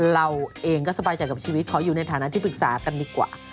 เราเองก็สบายใจกับชีวิตขออยู่ในฐานะที่ปรึกษากันดีกว่า